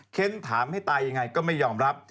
เค้นถามให้ตายอย่างไรก็ไม่ยอมรับ